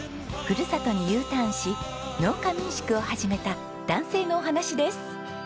ふるさとにＵターンし農家民宿を始めた男性のお話です。